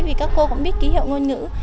vì các cô cũng biết ký hiệu ngôn ngữ